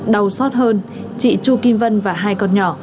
đau xót hơn chị chu kim vân và hai con nhỏ